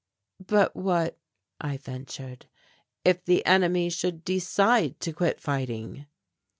"But what," I ventured, "if the enemy should decide to quit fighting?"